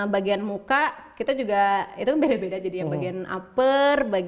bagian muka kita juga itu beda beda jadi yang bagian upper bagian soal itu beda bagian muka juga